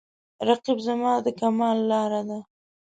رقیب زما د کمال لاره ده